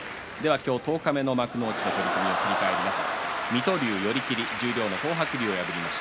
今日の幕内の取組を振り返ります。